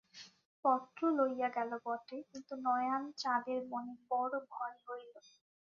পত্র লইয়া গেল বটে, কিন্তু নয়ানচাঁদের মনে বড়ো ভয় হইল।